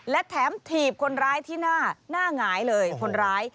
และแถมถีบคนร้ายที่หน้าหน้าหงายเลยคนร้าย